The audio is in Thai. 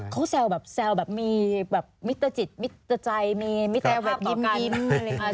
เขาแซวแบบมีมิตรจิตมิตรใจมีมิตรภาพต่อกัน